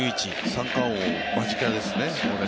三冠王間近ですね。